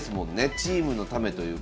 チームのためというか。